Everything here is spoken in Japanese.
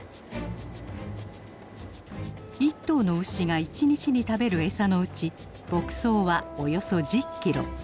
一頭の牛が一日に食べる餌のうち牧草はおよそ１０キロ。